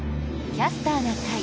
「キャスターな会」。